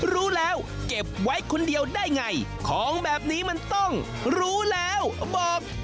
รู้แล้วเก็บไว้คนเดียวได้ไงของแบบนี้มันต้องรู้แล้วบอก